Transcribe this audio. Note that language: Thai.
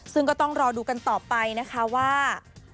ซึ่งก็ต้องรอดูกันต่อไปนะคะว่า